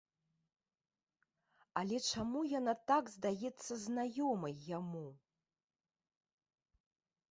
Але чаму яна так здаецца знаёмай яму?